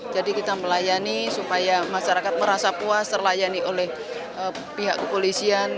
jadi kita melayani supaya masyarakat merasa puas terlayani oleh pihak kepolisian